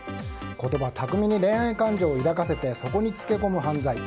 言葉巧みに恋愛感情を抱かせてそこにつけ込む犯罪。